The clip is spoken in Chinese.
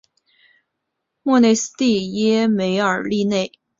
莫内斯蒂耶梅尔利内。